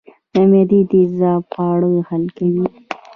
د معدې تیزاب خواړه حل کوي